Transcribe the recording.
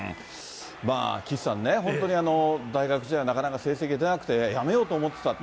岸さんね、本当に大学時代、なかなか成績が出なくてやめようと思ってた。